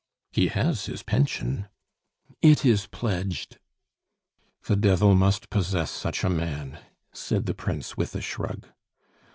"He has his pension." "It is pledged!" "The Devil must possess such a man," said the Prince, with a shrug.